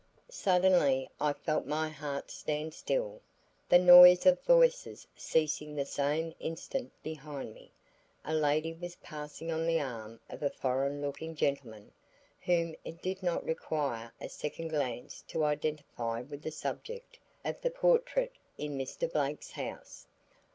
Suddenly I felt my heart stand still, the noise of voices ceasing the same instant behind me. A lady was passing on the arm of a foreign looking gentleman, whom it did not require a second glance to identify with the subject of the portrait in Mr. Blake's house.